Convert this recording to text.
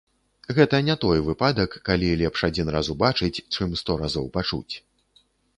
Гэта не той выпадак, калі лепш адзін раз убачыць, чым сто разоў пачуць.